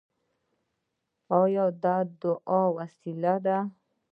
آیا دعا وسله ده؟